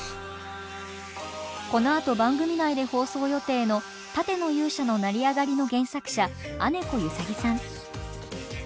このあと番組内で放送予定の「盾の勇者の成り上がり」の原作者アネコユサギさん。